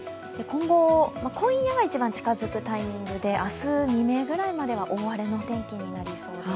今夜が一番近づくタイミングで明日未明ぐらいまでは大荒れの天気になりそうです。